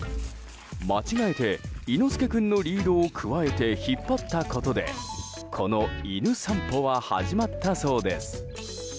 間違えて猪之助くんのリードをくわえて、引っ張ったことでこの犬散歩は始まったそうです。